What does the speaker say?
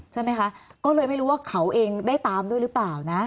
ใช่ไหมคะก็เลยไม่รู้ว่าเขาเองได้ตามด้วยหรือเปล่านะ